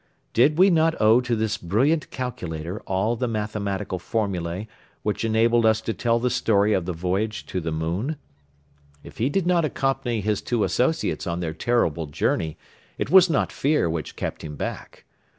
Did we not owe to this brilliant calculator all the mathematical formulae which enabled us to tell the story of the voyage to the moon? If he did not accompany his two associates on their terrible journey it was not fear which kept him back.